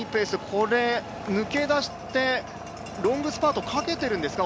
これ、抜け出してロングスパートをかけてるんですか？